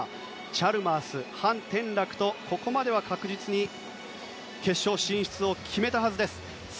チャルマース、ハン・テンラクとここまでは確実に決勝進出を決めたはずです。